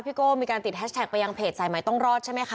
โก้มีการติดแฮชแท็กไปยังเพจสายใหม่ต้องรอดใช่ไหมคะ